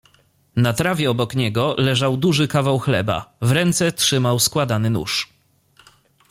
"Na trawie obok niego leżał duży kawał chleba, w ręce trzymał składany nóż."